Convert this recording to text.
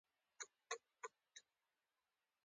موټر د سرعت وسيله ده.